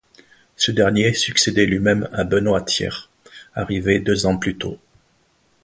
Ce dernier succédait lui-même à Benoît Tiers arrivé deux ans plus tôt.